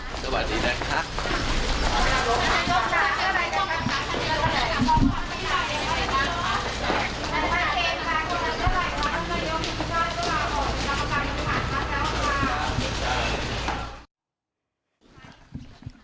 คุณสุชาติลาออกจากผู้มนุยการพักพลังประชารัฐแล้วเนี่ย